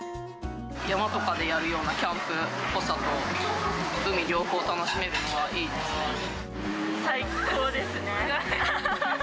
山とかでやるようなキャンプっぽさと、海、両方楽しめるのは最高ですね。